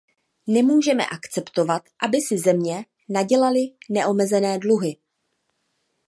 Nemůžeme akceptovat, aby si země nadělaly neomezené dluhy.